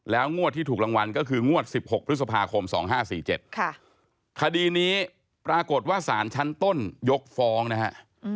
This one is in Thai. งวดที่ถูกรางวัลก็คืองวด๑๖พฤษภาคม๒๕๔๗คดีนี้ปรากฏว่าสารชั้นต้นยกฟ้องนะฮะ